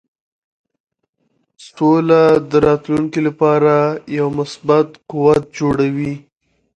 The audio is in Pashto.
سوله د راتلونکې لپاره یو مثبت قوت جوړوي.